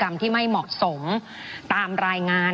ไม่ได้เป็นประธานคณะกรุงตรี